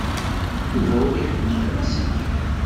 Yuba ur iḥemmel ara iselkimen.